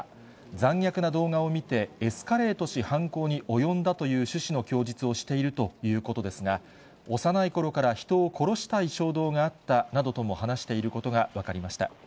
残虐な動画を見て、エスカレートし、犯行に及んだという趣旨の供述をしているということですが、幼いころから人を殺したい衝動があったとも話していることが分かりました。